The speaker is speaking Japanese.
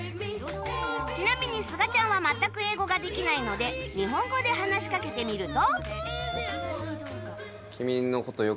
ちなみにすがちゃんは全く英語ができないので日本語で話しかけてみると